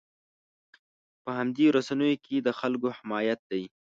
په همدې رسنیو کې د خلکو حمایت دی.